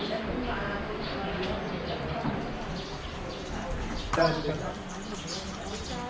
และมีการการที่สุดท้าย